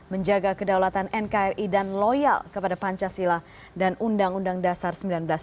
menjaga kedaulatan nkri dan loyal kepada pancasila dan undang undang dasar seribu sembilan ratus empat puluh lima